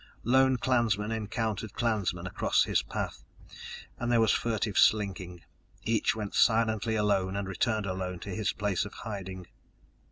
Lone clansman encountered clansman across his path, and there was furtive slinking. Each went silently alone and returned alone to his place of hiding.